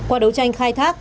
qua đấu tranh khai thác